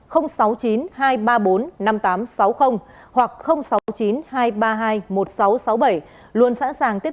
hoặc sáu mươi chín hai trăm ba mươi hai một nghìn sáu trăm sáu mươi bảy luôn sẵn sàng tiếp nhận mọi thông tin